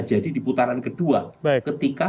jadi di putaran kedua ketika